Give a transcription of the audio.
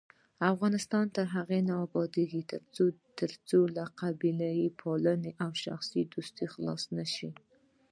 افغانستان تر هغو نه ابادیږي، ترڅو له قبیلې پالنې او شخصي دوستۍ خلاص نشو.